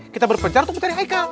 kita berpencar untuk mencari haikal